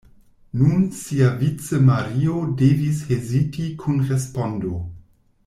Nun siavice Mario devis heziti kun respondo.